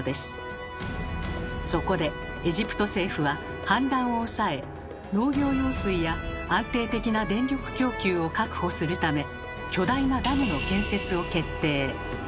そこでエジプト政府は氾濫を抑え農業用水や安定的な電力供給を確保するため巨大なダムの建設を決定。